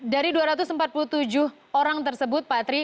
dari dua ratus empat puluh tujuh orang tersebut patri